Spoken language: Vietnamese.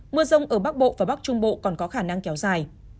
mưa rông ở bắc bộ và bắc trung bộ còn có khả năng kéo dài